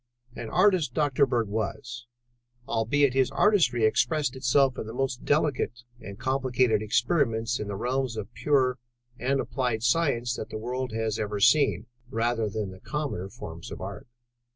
An artist Dr. Bird was, albeit his artistry expressed itself in the most delicate and complicated experiments in the realms of pure and applied science that the world has ever seen, rather than in the commoner forms of art.